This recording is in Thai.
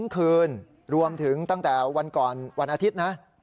คืนรวมถึงตั้งแต่วันก่อนวันอาทิตย์นะ